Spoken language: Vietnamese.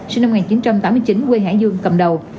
sinh năm một nghìn chín trăm tám mươi chín quê hải dương cầm đầu